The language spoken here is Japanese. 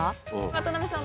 渡辺さん